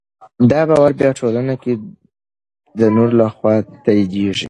دا باور بیا په ټولنه کې د نورو لخوا تاییدېږي.